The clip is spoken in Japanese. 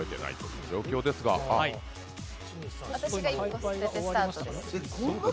私が１個捨ててスタートです。